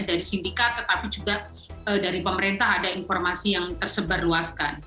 dari sindikat tetapi juga dari pemerintah ada informasi yang tersebar luaskan